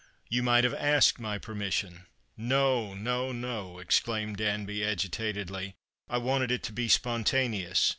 " You might have asked my permission." " No, no, no !" exclaimed Danby, agitatedly. " I wanted it to be spontaneous.